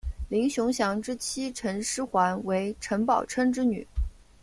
林熊祥之妻陈师桓为陈宝琛之女。